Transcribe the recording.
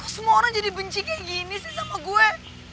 wah kok semua orang jadi benci kaya gini sih sama gue